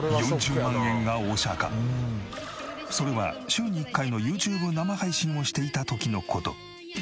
それは週に１回のユーチューブ生配信をしていた時の事。